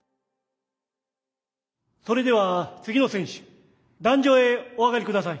それでは次の選手壇上へお上がり下さい。